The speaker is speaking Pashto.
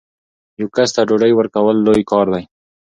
یو کس ته ډوډۍ ورکول لوی کار دی.